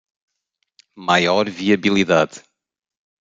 Maior viabilidade